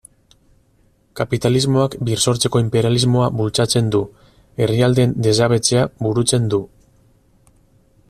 Kapitalismoak birsortzeko inperialismoa bultzatzen du, herrialdeen desjabetzea burutzen du...